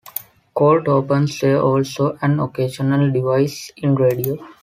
Cold opens were also an occasional device in radio.